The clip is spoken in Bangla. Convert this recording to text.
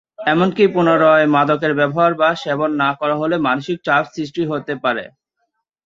এমনকি পুনরায় মাদকের ব্যবহার বা সেবন না করা হলে মানসিক চাপ সৃষ্টি হতে পারে।